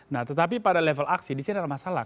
nah tetapi pada level aksi di sini ada masalah